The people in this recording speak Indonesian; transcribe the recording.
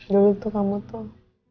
dulu tuh kamu tuh